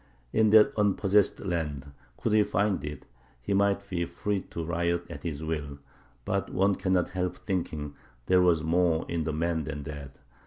In that unpossessed land, could he find it, he might be free to riot at his will (but one cannot help thinking there was more in the man than that!)